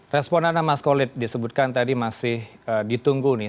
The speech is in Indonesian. responannya mas kolit disebutkan tadi masih ditunggu nih